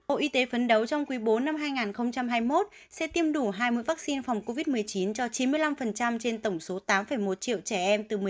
ô y tế phấn đấu trong quý bố năm hai nghìn hai mươi một sẽ tiêm đủ hai mươi vaccine phòng covid một mươi chín cho chín mươi năm trên tổng số tám một triệu trẻ em